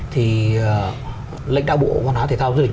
thì lệnh đạo bộ văn hóa thể thao dự định